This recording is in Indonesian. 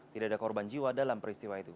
tidak ada korban jiwa dalam peristiwa itu